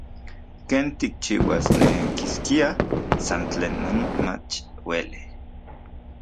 Ken tikchiuasnekiskia san tlen non mach ueli.